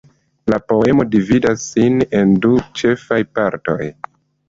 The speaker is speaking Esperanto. La poemo dividas sin en du ĉefaj partoj.